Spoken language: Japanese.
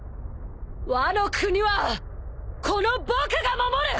ワノ国はこの僕が守る！